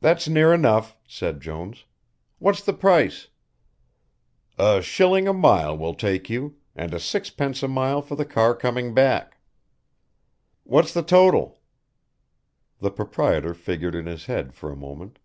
"That's near enough," said Jones. "What's the price?" "A shilling a mile to take you, and a sixpence a mile for the car coming back." "What's the total?" The proprietor figured in his head for a moment.